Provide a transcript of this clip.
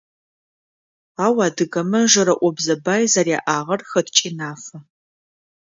Ау адыгэмэ жэрыӏобзэ бай зэряӏагъэр хэткӏи нафэ.